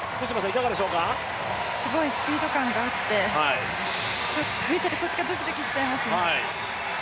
すごいスピード感があって、見ているこちらがドキドキしちゃいますね。